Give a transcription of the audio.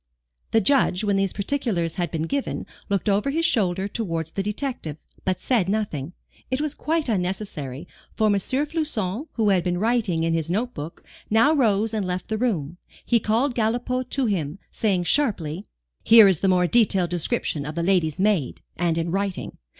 The Judge, when these particulars had been given, looked over his shoulder towards the detective, but said nothing. It was quite unnecessary, for M. Floçon, who had been writing in his note book, now rose and left the room. He called Galipaud to him, saying sharply: "Here is the more detailed description of the lady's maid, and in writing.